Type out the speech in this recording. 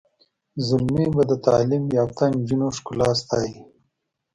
زلمي به د تعلیم یافته نجونو ښکلا ستایي.